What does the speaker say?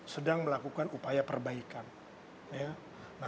sedang melakukan upaya perbaikan